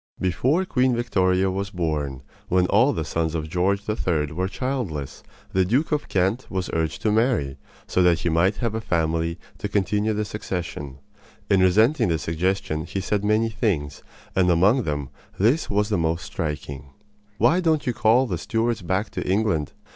Before Queen Victoria was born, when all the sons of George III. were childless, the Duke of Kent was urged to marry, so that he might have a family to continue the succession. In resenting the suggestion he said many things, and among them this was the most striking: "Why don't you call the Stuarts back to England?